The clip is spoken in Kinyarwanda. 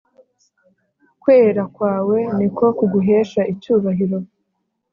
kwera kwawe ni ko kuguhesha icyubahiro,